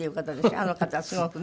あの方すごくね。